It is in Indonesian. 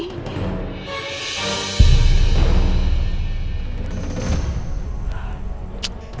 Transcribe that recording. siapa sih orang itu